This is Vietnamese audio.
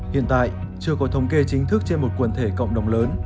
hiện tại chưa có thông kê chính thức trên một quần thể cộng đồng lớn